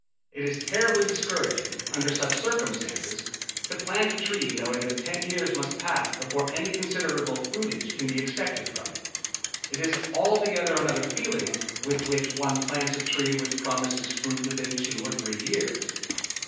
It is terribly discouraging, under such circumstances, to plant a tree knowing that ten years must pass before any considerable fruitage can be expected from it. It is altogether another feeling with which one plants a tree which promises fruit within two or three years.